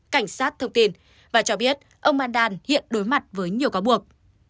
cảnh sát thông tin và cho biết ông mandan hiện đối mặt với nhiều cáo buộc